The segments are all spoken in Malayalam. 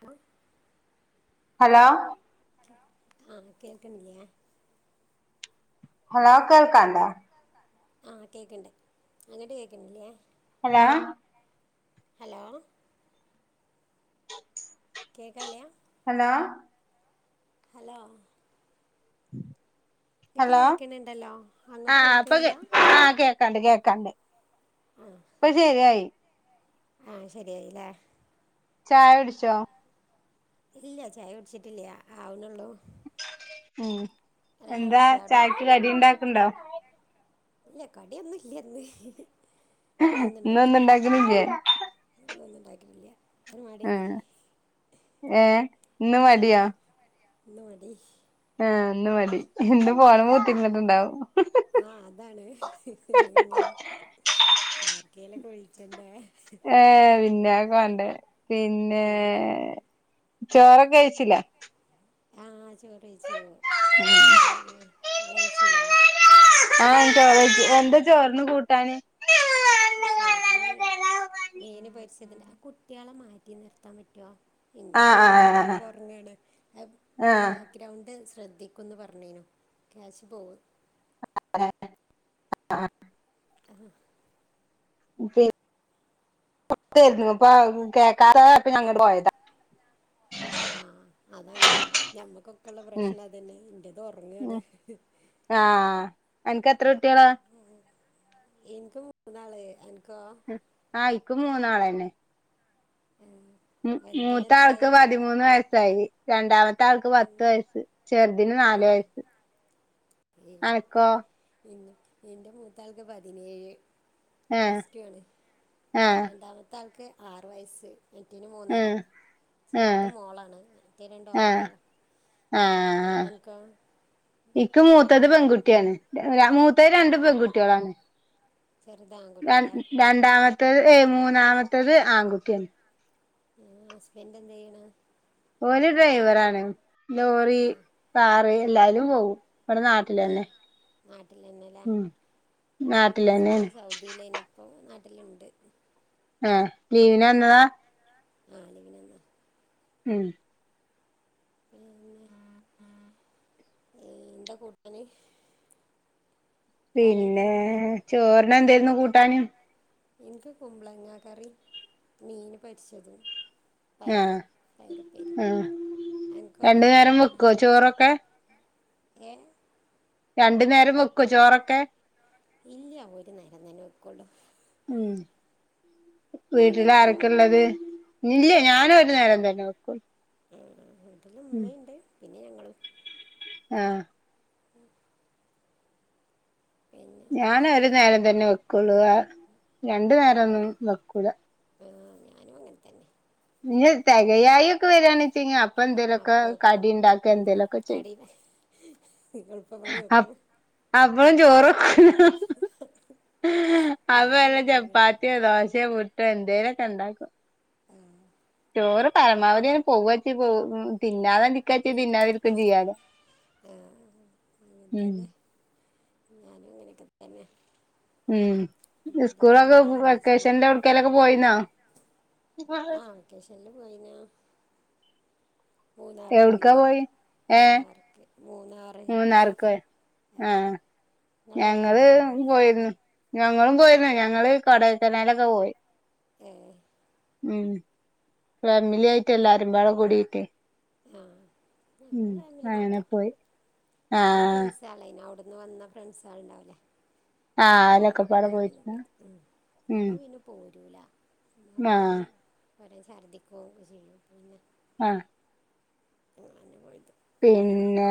ആ [unintelligible] ഹലോ? ആഹ് കേക്കണി ല്ലി യേ? ഹലോ കേൾക്കാണ്ടാ. ആഹ് കേക്കണ്ട് അങ്ങിട്ട് കേക്കണില്ലേ. ഹലാ. ഹലോ? കേക്കല്ലയാ. ഹലോ? ഹലോ? ഉം [unintelligible] ഇങ്ങട്ട് കേക്കണണ്ടല്ലോ അങ്ങോട്ട് കേൾക്കണില്ല. കേക്കണ്ട് കേക്കണ്ട് ഇപ്പൊ ശരിയായി. ആഹ് ശരിയായില്ലേ. ചായടിഷോ? ഇല്ല ചായ കുടിച്ചിട്ടില്ല ആവണെള്ളൂ. ഉം എന്താ കുടിച്ചോ അവിടെ ചായക്ക് കടി ഇണ്ടാക്കണ്ടോ? ഇല്ല കടിയൊന്നും ഇല്ല്യന്ന്. ഇ ഇന്നൊന്നും ഒന്നുംണ്ടാക്കിട്ടില്ല ഉണ്ടാക്കണില്ലേ ഇന്നോന്നും ഉണ്ടാക്കിട്ടില്ല. ഒരു മടി. ഏഹ ഇന്നും ഉം, മടിയാ. ഇന്ന് മടി ആ അന്ന് മതി എന്ത് പോണംത്തിന്നീട്ടുണ്ടാവും. ആഹ് അതാണ് പിന്നെ ഇങ്ങനെ ആർക്കേലൊക്കെ വിളിച്ചണ്ട. വണ്ടേ പിന്നെ ചോറൊക്ക കഴിച്ചില്ല. ചോറയിച്ചോ? അവിടെ ഇങ്ങളയിച്ചില്ലേ. ആഹ് ചോറയിച്ചു എന്താ ചോറിന് കൂട്ടാന്? ചേറിന് മീന് പരിസത് കുട്ട്യളെ മാറ്റി നിർത്താൻ പറ്റുവോ? ആഹ് എനിക്കുംണ്ട്തേപോലെ ആഹ് പോറങ്ങാണ്. ആഹ് ബാക്ക്ഗ്രൗണ്ട് ശ്രദ്ധിക്കുന്ന് പറഞ്ഞേനോ ക്യാശ് പോകും. ആ ആഹ് ജ [unintelligible] യിരുന്നു ഇപ്പ കേക്കാത ഇപ്പങ്ങട്ട് പോയതാ. ആഹ് അതാണ് ഞമ്മക്കൊക്കെള്ള ഉം പ്രശ്നം അതന്നെ. എന്റ്ത് ഒറങ്ങാണ്. അനക്ക്ത്രൊ എനിക്ക് മൂന്നാള് അ ആയിക്കും മൂന്നാള്ന്നെ. ആഹ് മ് വലുതിന് മൂത്ത ആൾക്ക് എത്രയായി പതിമൂന്ന് വയസ്സായി. രണ്ടാമ മത്താൾക്ക് പത്ത് വയസ് ചെറുതിന് നാലു വയസ്. അനക്കോ? എന്റെ മൂത്താൾക്ക് പതിനേഴ്. ആഹ് പ്ലസ് ടു ആണ് ആഹ് രണ്ടാമത്തെ ആൾക്ക് ആറ് വയസ്സ്. മെറ്റിന് മൂന്നര ആഹ് ചെറുത് ആഹ് മോളാണ്. മറ്റേത് രണ്ടും ആൺകുട്ടികള. ആഹആ ഇക്ക് അത് മൂത്തത് പറയാൻ പറ്റുമോ പെൺകുട്ടിയാണ്. മൂത്തത് രണ്ട് പെൺകുട്ടികളാണ്. ചെറുത് ര ആൺകുട്ടിയില്ലേ രണ്ടാമത്തത് ഏ മൂന്നാമത്തത് ആൺകുട്ടിയാണ്. ഹസ്ബൻഡ് എന്ത് ചെയ്യാണ്. ഒരു ഡ്രൈവർ ആണ്. ലോറി, ഏ കാറ് എല്ലാലും. പോകും.. ഇവിടെ നാട്ടില ഉം. ലോ നാട്ടില് തന്നെയാണ് [unintelligible] ഏ ലീവിന് വന്നതാ. ആഹ് ലിവിന് എന്താ ഉം. പിന്നെ [inaudible] ഏ എന്താ കൂട്ടാന്. കറിയൊക്കെ പിന്നെ എന്താ ചോറിന എന്തായിരുന്നു കൂട്ടാനും. എനിക്ക് കുമ്പളങ്ങ കറി മീന് പൊരിച്ചതും. പയറും പയറുപ്പേരും ആഹ് ഉ എനിക്കോ രണ്ടു നേരം വെക്കുവോ ചോറൊക്കെ? ഏ രണ്ടു നേരം വെക്കോ ചോറൊക്കെ? ഇല്ല ഒരു നരം തന്നെ വെക്കൊളു. ഉം അവിടെ വീട്ടില് വെക്കുവോ ആരൊക്കെ ഉള്ളത്. ഇല്ല ഞാനും ഒരു നേരം തന്നെ വെക്കൂളു. [unintelligible] വീട്ടില് ഉമ്മിണ്ട് ആഹ ഉം ഞാൻ ഒരു നേരം തന്നെ വെക്കുള്ളു. അ രണ്ടു നേരം ഒന്നും വെക്കൂല. ആ, ഞാനും അങ്ങനെ തന്നെ ഇനി തികയായി ഒക്കെ വരണി വെച്ചികി അപ്പൊ എന്തേലുമൊക്കെ അപ്പം വെക്കും കടി ഉണ്ടാക്ക എന്തേലുമൊക്കെ ചെയ്യും. കടി എളുപ്പപ്പണി അ വെക്കും അവളും ചോറൊക്കോ ഞാനും അവല അങ്ങനെ തന്നെ ചപ്പാത്തിയോ, ദോശോ, പുടോ, എന്തേലൊക്കെ ഉണ്ടാക്കും. ചോറ് പരമാവധി അഞനെ പോവച്ച തിന്നാതിരിക്കാൻ തിന്നാതിരിക്കാൻ ചെയ്യാലോ. ആ, അങ്ങനെ ഉം തന്നെ ഞാനും ഇങ്ങനെയൊക്കെ തന്നെ. ഉം എൻ്റെ മോള് സ്കൂളൊക്കെ ഇതാ അഭിനയിച്ചെന്നു വെക്കേഷന്റെ എവിടെയെങ്കിലും ഒക്കെ പോയിന്നോ? ആഹ് വെക്കേഷല് പോയിനാ മൂന്നാറ് പോയി ഏ മൂന്നാർക്ക്. മൂന്നാറ് മൂന്നാർക്കോ ആഹ് നിങ്ങൾ പോയാ ഞങ്ങള് പോയി. ഞങ്ങളും പോയിരുന്നു ഞങ്ങള് കൊടക്കനാലൊക്കെ പോയി. ഉ. ഉം ഫമിലി ആയിട്ട് എല്ലാരും ബടൊ കൂടിയിട്ട്. ആ ഉ ഞങ്ങൾ ഫാമിലി അങ്ങനെ മാത്രം പോയി പിന്നെ ആഹ. ഫ്രണ്ട്സാളേനു അവിടുന്ന് വന്ന ഫ്രൻസ് ആള് ഉണ്ടാവല്ലേ. ആഹ അതൊക്കെപ്പാട പോയിട്ടുന്ന. ഉം ഉമ്മ പിന്നെ പോരൂല ഉമ്മക്കെ ആഹ് ഇങ്ങനെ. കുറേ ഛർദ്ദിക്കും ചെയ്യും. പിന്നെ ആഹ [unintelligible] പിന്നെ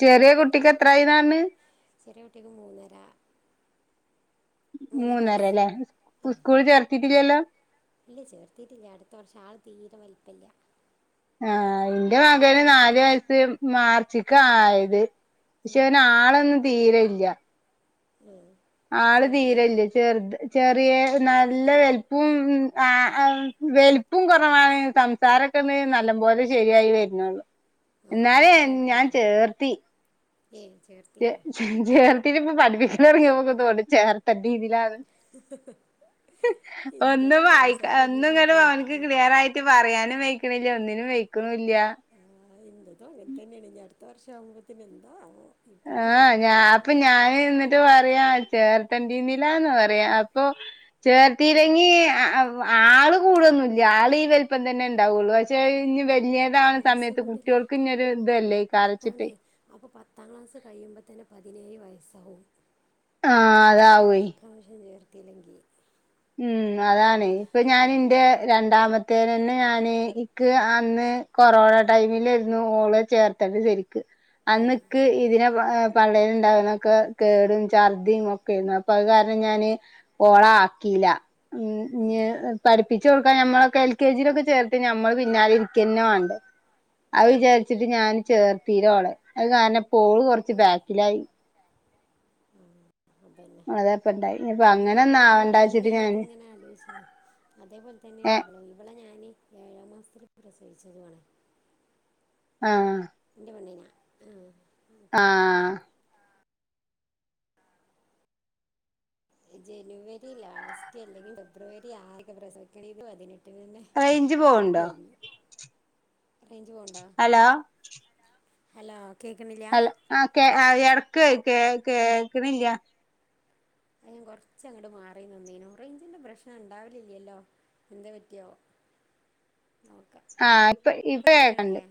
ചെറിയ കുട്ടിക്ക് എത്രായിതണ്. ചെറിയ കുട്ടിക്ക് മൂന്നര. മൂന്നര അല്ലേ സ്കൂൾ ചേർത്തിട്ടില്ലല്ലോ? ഇല്ല ചേർത്തിട്ടില്ലേ അടുത്ത വർഷം ആള് തീരെ വലിപ്പമില്ല ആഹ എന്റെ തീരെ മകന് വൽ നാലു വയസ് മാർച്ചക്ക് ആയത് പക്ഷെ അവന് ആളൊന്നും തീരെയില്ല ഉം. ആള് ചേർത്തിയാ തീരല്ലേ ചെറുത് ചെറിയ നല്ല വലുപ്പും ആ വലുപ്പും കുറവാണ് സംസാര നല്ല പോലെ ശരിയായി വരുന്നുള്ളു ആ എന്നാലേ അപ്പൊ ഞാൻ ചേർത്തിരുന്നു ചേർത്തി ഏയ് ചേർത്തില്ല ചേർത്തിട്ട ഇപ്പ പഠിപ്പിക്കല ഇറങ്ങിയക്കതോടെ ചേർത്തന്റെ രീതിലാണ് ഒന്നും എൻ്റെതും വായിക്ക സംസാരമൊന്നും ഒന്നും ഇങ്ങനെ അവ അവനക്ക് ശരിയായിട്ടില്ല ക്ലിയർ ആയിട്ട് പറയാനും ഒന്നിനും വേ ആഹ ഇതുംങ്ങനെ തന്നെയണ അടുത്ത വർഷ ആകുമ്പത്തനന്താണാവോ ആ ഞാ അപ്പൊ ഞാന് എന്നിട്ട് പറയാൻ ചേർത്തണ്ടിലന്ന് പറയാ അപ്പൊ ചേർത്തില്ലെങ്കി ആള് കൂടുത ആള് ഈ വലപ്പം തന്നെ ഉണ്ടാവുള്ളൂ പക്ഷേ വലിയതാണ് വയസ്സ് സമയത്ത് കൂടില്ലേ കുട്ടികൾക്ക് ഇന്നൊരു ഇതല്ലേ കരച്ചിട്ട് പത്ത്കഴിയുമ്പോ തന്നെ പതിനേഴ് വയസ്സാവും ആഹ് അതാവേ പ്രാവശ്യം ചർ [unintelligible] ഉം അതാണ് ഇപ്പൊ ഞാാനിൻന്റ രണ്ടാമത്തെ മത്തേ തന്നെ ഞാൻ ഇക്ക് അന്ന് കൊറോണ ടൈമിലായിരുന്നു ഓള് ചേർത്തണ്ട് ശരിക്കും അന്നക്ക് ഇതിനെ പള്ളയില ഉണ്ടാവുന്നൊക്കെ കേടും ഛർദിയും ഒക്കെരുന്നു അപ്പൊ അത് കാരണം ഞാന് ഓള ക്കില ഇനിപഠി പിപ്പിച്ചച്ച് കൊടുക്കാൻ നമ്മളൊക്കെ എൽ കെ ജിയിലൊക്കെ ചേർത്ത് ഞമ്മള് പിന്നാലെ ഇരിക്കുന്നവേണ്ടേ അത് ആ വിചാരിച്ചിട്ട് ഞാൻ ചേർത്തീര അവളെ അത് കാരണം പോള് കൊറച്ച് ബാക്കിലായി പിന്നെ അതെപ്പ ഉണ്ടായി അങ്ങനെ ആകുമ്പോ നമ്മള് പിന്നെയാണ് അതെങ്ങനെ ആലോച അതേപോലെ തന്നെയാണ് ഏഹ് ഇവള ഇവളെ ഞാന് ഏഴാം മാസത്തിൽ പ്രസവിച്ചതണ ആ എന്റെ പെണ്ണിനാ ആ ആ അപ്പോൾ ജനുവരി ലാസ്റ്റ് അല്ലെങ്കിൽ ഫെബ്രുവരി ആകെ പ്രസവിക്കണ ഇതു പതിനെട്ട് റേഞ്ച് പോവണ്ടോ റേഞ്ച് ഹലോ ആം [unintelligible] അ ഞാൻ കൊറച്ച അങ്ങട്മാറി നന്നീന റേഞ്ചിന്റെറെ പ്രശ്ന ഉണ്ടാവലില്ലല്ലോ എന്ത പറ്റിയോ [inaudible] നോക്കാം ആഹ് ഇപ്പ ഇപ്പ ഇപ്പം കേകണ്ട് കേൾക്കണില്ലേ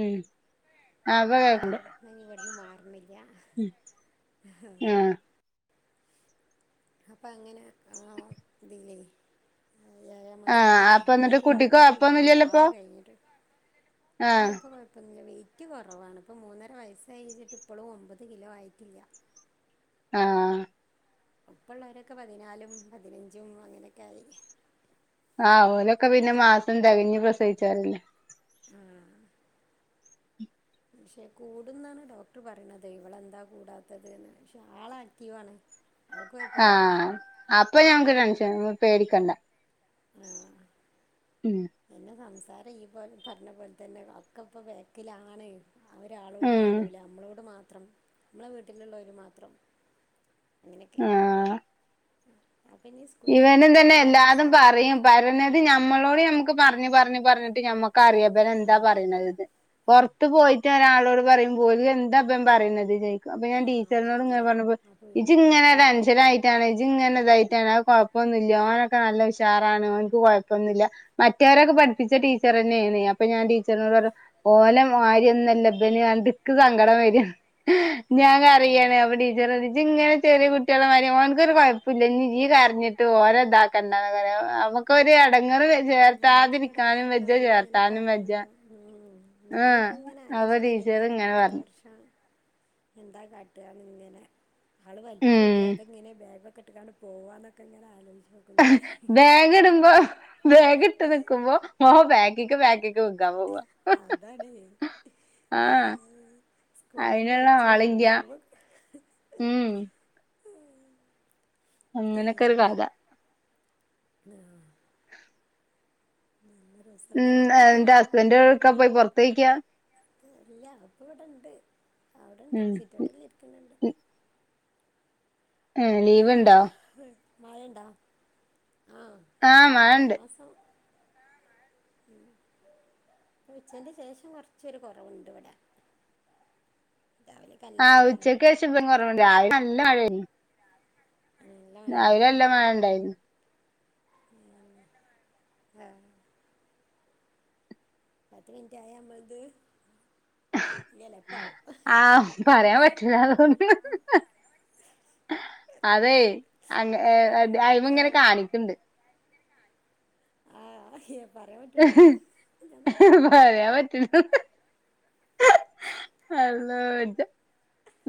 ഉം ആഹ് ഇപ്പ കേക്കണ്ട് ആഹ് ഞാന ഇവിടുന്ന് മാറുന്നില്ല ആഹ് അപ്പൊ അങ്ങനെ പിന്ന ഏഴ മാസത്തി ആഹ് തന്നെ അപ്പൊ എന്നിട്ട് ഏക്ക് കുട്ടിക്ക് കടന്നിട്ടുണ്ട അന്നുള്ള കൊഴപ്പൊന്നുല്ലല്ലോ ഇപ്പൊ ആറ് കഴിഞ്ഞിട്ട് ഇല്ല ആഹ് എപ്പൊ കൊഴപ്പൊന്നില്ല വ യിറ്റ കുറവാണ് ഇപ്പ മൂന്നര വയസ്സായിഴഞ്ഞിട്ട് ഇപ്പോഴും ഒമ്പത് കിലോ ആയിട്ടില്ല ആഹ ഇപ്പ ഉള്ളവരൊക്കെ പതിനാലും പതിനഞ്ചും അങ്ങനൊക്കെ ആയി ആഓലൊക്കെ പിന്നെ മാസം തികഞ്ഞപ്രസവിച്ചരല്ലേ ആ പക്ഷെ കൂടുന്നാണ് ഡോക്ടർ പറയുന്നത് ഇവളെന്താ കൂടാത്തത് പക്ഷെ ആള ആക്റ്റീവാണ് ആൾക്ക് ആ കുഴപ്പമില്ല അപ്പൊ ഞങ്ങ്ക്ക് ടെൻഷൻ പേടിക്കണ്ട. ആ ഉം എന്നെ സംസാരം ഈ പോലെ പറഞ്ഞ പോലെ തന്നെ ഒക്കെ ഇപ്പ ബാക്കിലാണ്. ഒരാളോടും ഉം മിണ്ടൂല നമ്മളോട് മാത്രം. നമ്മളെ വീട്ടിലുള്ളവര് മാത്രം. അങ്ങനൊക്കെ. ആഹ് ഇവനും തന്നെ എല്ലാതും പറയും. അവസ്ഥ പറഞ്ഞത് ഞമ്മളോട് നമ്മക്ക് പറഞ്ഞഞ് പറഞ്ഞഞ് പറഞ്ഞിട്ട്. ഞമ്മക്ക് കറിയപ്പൻ എന്താ നമുക്കറിയാം പറയനതെന്ന്. പുറത്ത്. പോയിട്ട് ഒരാളോട് പറയും. വോല് എന്താ പ്പോൻ പറയുന്നത്ത്. ചോദിക്കും. അപ്പൊ ആ ഞാൻ ടീച്ചറിനോട് അതാണ് ഇങ്ങനെ പറഞ്ഞപ്പോ അപ്പോൾ ഒരു ഇജജ് ഇങ്ങനെ ഒരു ടെൻഷനായിട്ടാണ്. ഇജജ് ഇങ്ങനതായിട്ടാണ്. കുഴപ്പൊന്നില്ല ഓനൊക്കെ നല്ല ഉഷാറാണ്. ഓനക്ക് കുഴപ്പോന്നില്ല. മറ്റവരൊക്കെ പഠിപ്പിച്ച ടീച്ചർന്നെ. എ അപ്പൊ ഞാൻ ടീച്ചറിനോട് പറ ഓലെ മാര്യോന്നല്ല പ്പഇനി എനിക്ക് സങ്കടം വര. ആ ഞാൻ അതന്നെ കരയണേ അപ്പോ ടീച്ചറോയിച്ച് ഇങ്ങനെ. ചെറിയ കുട്ടികളെ മാരി ഓനിക്കൊരു കുഴപ്പമില്ല. ഇനി ഈ കര ഞ്ഞിട്ട് ഓലെ ഇതക്കണ്ടാ. ന്നുപറയും. നമ്മുക്കൊര് ഇടങ്ങേര്. നമ്മക്കൊര് ഇടങ്ങേറാണ്. അവരോട് ഇങ്ങനെ വെജ്ജ പറയുമ്പോ. ഉ ആഹ് ഞാനിപ്പോ ഇങ്ങനെ അപ്പൊ ആലോയിച്ചണത്. മ്മ് ടീച്ചർ ഇനിപ്പോ [unintelligible] ഇങ്ങനെ അടുത്ത പറഞ്ഞു വർഷംആണ് എന്താ കാട്ട ഇങ്ങനെ ആള് വലിപ്പോം ഉം ഇല്ല ഇതെങ്ങനെ. വേഗം. കെട്ടാണ്ട് പോവാനൊക്കെ ഇങ്ങന ആലോചിച്ചു. ബാഗിടുമ്പോ ബേഗിട്ട് നിക്കുമ്പോ. ഓ ബാക്കിക്ക് ബാക്കി ക്ക്ക്കാ [unintelligible] പോവ അതാണ് ആ സ്കൂളിലന്നെ അയിന്ളള വെച്ച് വരണ്ടി അളില വരുമ്പോ ഉം അങ്ങനെയൊക്കെ ഒരു കഥ. പിന്നെ ആഹ് നല്ല ഉം രസണ്ടാവും എന്റെ ഹസ്ബന്റ് ഒഴ്ക്കാ പോയി പുറത്ത്ക്കാ. ല്ല ഇപ്പ ഇവിടെണ്ട് അവിടെണ്ട്. ഉം സിറൗട്ടിൽ ഇരിക്കുന്നുണ്ട്. ഏ ലീവ് ഇണ്ടോ? മഴണ്ടാ ആ മഴയിണ്ട്. ഉച്ചന്റെ ശേഷം കൊറച്ചൊരു കുറവുണ്ട് ഇവിട. ആഹ് ഉച്ചയ്കേഷം ഇപ്പൊ കൊറവുണ്ട്. രാവിലെ നല്ല മഴയായിരുന്നു. നല്ല രാവിലെ നല്ല മഴ ഇണ്ടായിരുന്നു. [unintelligible] ആഹ പത്ത് മിനിറ്റ് ആയാ നമ്മൾത്. ആ പറയാപറ്റില [unintelligible] അതെ അങ്ങ് എ അത് അ ഇങ്ങനെ കാണിക്കുണ്ട്. ആ [unintelligible] പറയപറ്റ്. [unintelligible] ഹലോ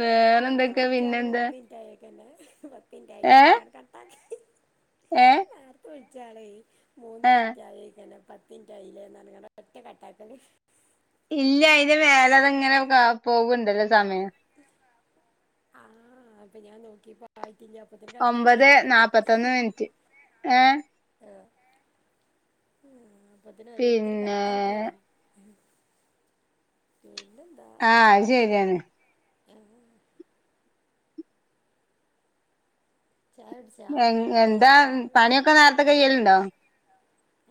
വേറെ എന്തൊക്കെ പിന്നെന്താ. പിന്നെ ഏഹ് അയ്യോപിന്നങ് കട്ടാക്കി ഏഹ് നേർത്തുവിളിച്ചാളെ മൂന്ന് ആഹ് മിനിറ്റായിക്കാണും പത്ത് മിനിറ്റായില്ലേ എന്നാണ് ഒറ്റ കട്ടാക്കല് ഇല്ല ഇത് വേറെതങ്ങനെ പോകുംണ്ടല്ലോ സമയം ആ അപ്പൊ ഞാൻ നോക്കിപ്പോ ആയിട്ടില്ല അപ്പത്തിന് ഒമ്പത് കട്ടാക്കീല നാപ്പത്തൊന്ന് മിനിറ്റ് ഏഹ് ആ മ്മ് അപ്പൊത്തന്നെ ഓരോരുത്തര് പിന്നെ കട്ടാക്കേണ് പിന്ന ആ അയിശരിയാണ് മ്മ് ചായ കുടിച്ചാ എൻ എന്താ ഞാൻ പണിയൊക്കെ കുടിച്ചിട്ടില്ല നേരത്തെ കയ്യലണ്ടോ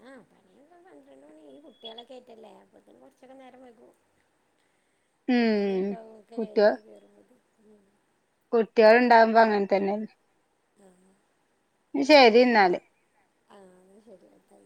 ആ പണിയൊക്കെമ്പോ പന്ത്രണ്ട് മണി ഈ കുട്ടികളൊക്കെയായിട്ടല്ലേ അപ്പൊ പിന്നെ കൊറച്ചൊക്കെ നേരം വൈകും ഒരു ഉം മണിയൊക്കെ അ ഒക്കെ കഴിഞ്ഞി കേയറോ കുട്ടികൾ ഉണ്ടാവുമ്പോ ൾ അങ്ങനെ തന്നെ [unintelligible] ശരി എന്നാല് ആ ശരി